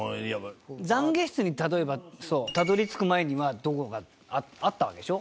「懺悔室」に例えばたどり着く前にはどこかあったわけでしょ？